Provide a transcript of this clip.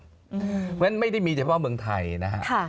เพราะฉะนั้นไม่ได้มีเฉพาะเมืองไทยนะฮะ